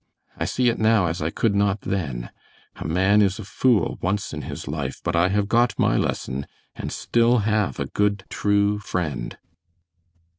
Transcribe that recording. I see it now as I could not then a man is a fool once in his life, but I have got my lesson and still have a good true friend."